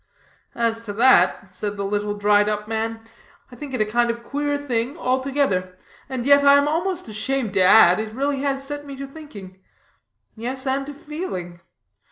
"As to that," said the little dried up man, "I think it a kind of queer thing altogether, and yet I am almost ashamed to add, it really has set me to thinking; yes and to feeling.